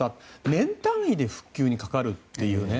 年単位で復旧にかかるというね。